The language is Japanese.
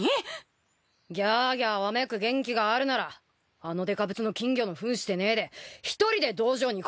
ギャーギャーわめく元気があるならあのデカブツの金魚のふんしてねえで一人で道場に来い。